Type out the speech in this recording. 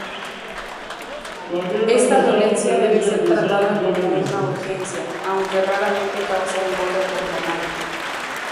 Esta dolencia debe ser tratada como una urgencia, aunque raramente causa embolia pulmonar.